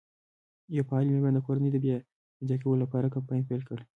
یوه فعالې مېرمن د کورنۍ د بیا یو ځای کولو لپاره کمپاین پیل کړ.